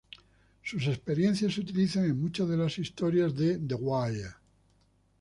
Sus experiencias se utilizan en muchas de las historias de "The Wire".